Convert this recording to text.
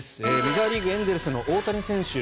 メジャーリーグエンゼルスの大谷選手。